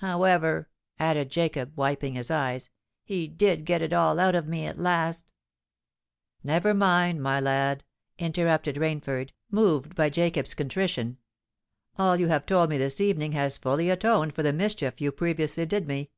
However," added Jacob, wiping his eyes, "he did get it all out of me at last——" "Never mind, my lad," interrupted Rainford, moved by Jacob's contrition: "all you have told me this evening has fully atoned for the mischief you previously did me.